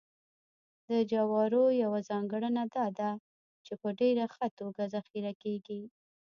د جوارو یوه ځانګړنه دا ده چې په ډېره ښه توګه ذخیره کېږي